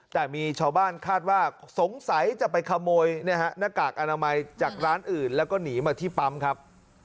แต่มีชาวบ้านคาดว่าสงสัยจะไปขโมยหน้ากากอนามัยจากร้านอื่นแล้วก็หนีมาที่ปั๊มครับ